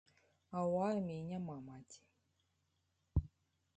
А ў арміі няма маці.